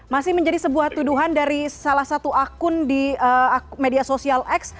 masih menjadi sebuah tuduhan dari salah satu akun di media sosial x